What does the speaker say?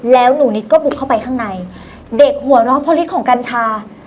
แล้วหนูนิดก็บุกเข้าไปข้างในเด็กหัวรอบภอริกของกัญชา